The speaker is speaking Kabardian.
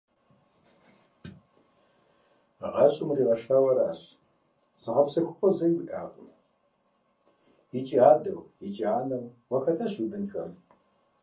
ГъащӀэм уригъэшауэ аращ, зыгъэпсэхугъуэ зэи уиӀакъым, икӀи адэу икӀи анэу уахэтащ уи бынхэм.